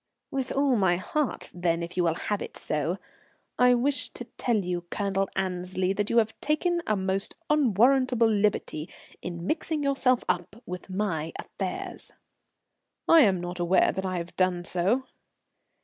"With all my heart, then, if you will have it so. I wish to tell you, Colonel Annesley, that you have taken a most unwarrantable liberty in mixing yourself up with my affairs." "I am not aware that I have done so."